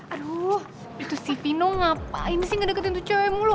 aduh itu si vino ngapain sih gak deketin tuh cewek mulu